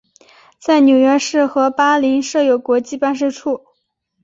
在纽约市和巴林设有国际办事处。